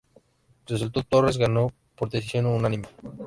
Resultado: Torres ganó por decisión unánime.